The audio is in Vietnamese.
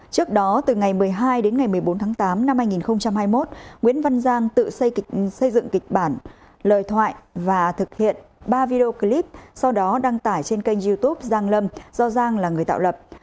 trước đó từ ngày một mươi hai đến ngày một mươi bốn tháng tám năm hai nghìn hai mươi một nguyễn văn giang tự xây dựng kịch bản lời thoại và thực hiện ba video clip sau đó đăng tải trên kênh youtube giang lâm do giang là người tạo lập